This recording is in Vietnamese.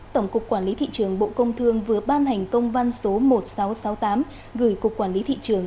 tổng cục quản lý thị trường bộ công thương vừa ban hành công văn số một nghìn sáu trăm sáu mươi tám gửi cục quản lý thị trường